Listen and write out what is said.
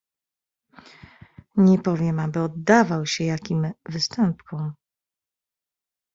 "Nie powiem, aby oddawał się jakim występkom."